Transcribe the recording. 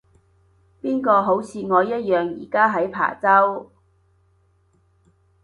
邊個好似我一樣而家喺琶洲